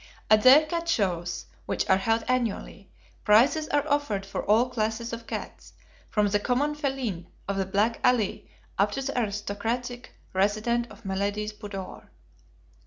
At their cat shows, which are held annually, prizes are offered for all classes of cats, from the common feline of the back alley up to the aristocratic resident of milady's boudoir.